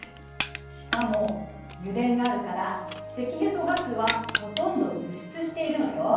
しかも油田があるから石油とガスはほとんど輸出しているのよ。